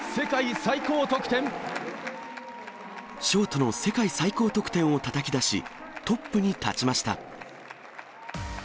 ショートの世界最高得点をたたき出し、トップに立ちました。